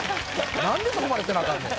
なんでそこまでせなあかんねん。